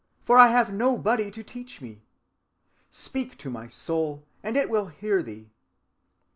For I have nobody to teach me. Speak to my soul and it will hear thee.